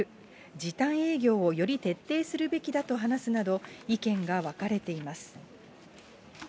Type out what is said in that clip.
時短営業をより徹底するべきだと話すなど、意見が分かれています。